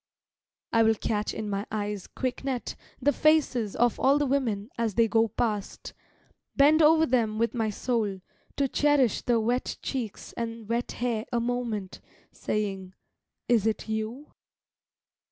I will catch in my eyes' quick net The faces of all the women as they go past, Bend over them with my soul, to cherish the wet Cheeks and wet hair a moment, saying: "Is it you?"